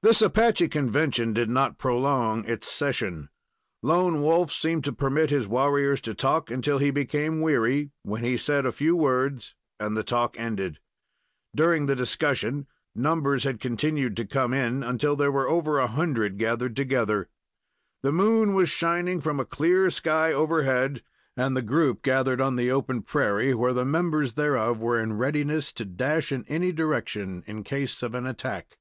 This Apache convention did not prolong its session. Lone Wolf seemed to permit his warriors to talk until he became weary, when he said a few words, and the talk ended. During the discussion, numbers had continued to come in, until there were over a hundred gathered together. The moon was shining from a clear sky overhead, and the group gathered on the open prairie, where the members thereof were in readiness to dash in any direction, in case of an attack.